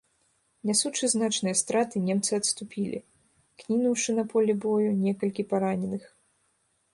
Нясучы значныя страты, немцы адступілі, кінуўшы на поле бою некалькі параненых.